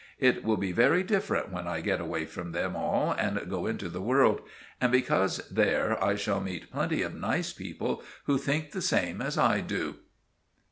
It will be very different when I get away from them all and go into the world; because there I shall meet plenty of nice people who think the same as I do.